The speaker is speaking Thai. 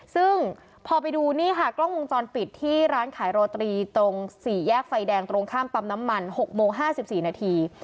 ซึ่งพอไปดูนี่ค่ะกล้องวงจรปิดที่ร้านขายโรตรีตรง๔แยกไฟแดงตรงข้ามปั๊มน้ำมัน๖โมง๕๔นาที